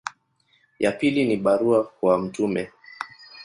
Ya pili ni barua kwa Mt.